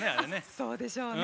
そうでしょうね。